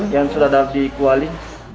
yang sudah dikuali